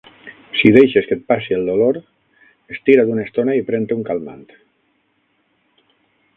Si deixes que et passi el dolor, estira't una estona i pren-te un calmant.